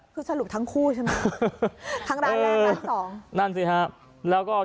คือสรุปทั้งคู่ใช่ไหมทั้งร้านแรกร้านสอง